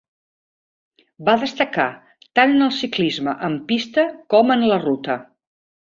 Va destacar tant en el ciclisme en pista com en la ruta.